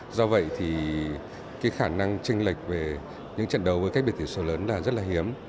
do vậy thì khả năng tranh lệch về những trận đấu với cách biệt tỷ số lớn là rất là hiếm